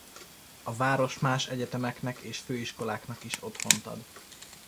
A város más egyetemeknek és főiskoláknak is otthont ad.